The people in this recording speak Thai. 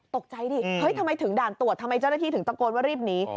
ตกใจดิเฮ้ยทำไมถึงด่านตรวจทำไมเจ้าหน้าที่ถึงตะโกนว่ารีบหนี